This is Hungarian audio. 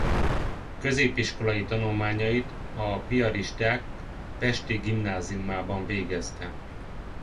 Középiskolai tanulmányait a piaristák pesti gimnáziumában végezte.